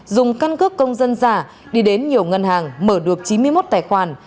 dùng căn cước công dân giả đi đến nhiều ngân hàng mở được chín mươi một tài khoản